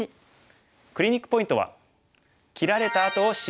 クリニックポイントは。